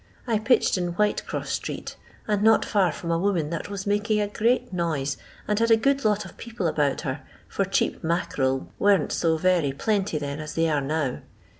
I pitched in Whilecross strect, and not far from a woman that was making a great noise, and had a good lot of people about her, for cheap mackarel weren't so very plenty then as they are now.